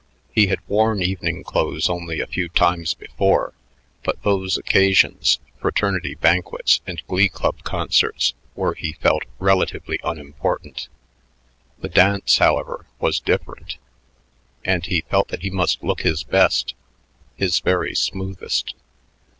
He had worn evening clothes only a few times before, but those occasions, fraternity banquets and glee club concerts, were, he felt, relatively unimportant. The dance, however, was different, and he felt that he must look his best, his very "smoothest."